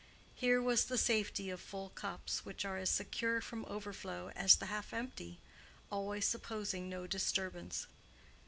Here was the safety of full cups, which are as secure from overflow as the half empty, always supposing no disturbance.